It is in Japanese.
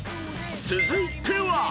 ［続いては］